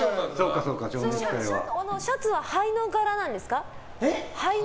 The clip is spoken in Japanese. シャツは肺の柄ですか？